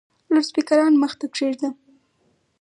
لوډسپیکران مخ ته کښېږده !